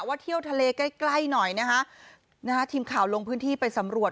ว่าเที่ยวทะเลใกล้หน่อยนะฮะหน้าทีมข่าวลงพื้นที่ไปสำรวจ